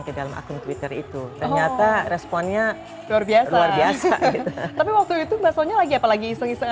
ke dalam akun twitter itu ternyata responnya luar biasa tapi waktu itu baso nya lagi apalagi iseng iseng